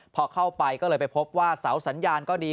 พอเข้าไปก็เลยไปพบว่าเสาสัญญาณก็ดี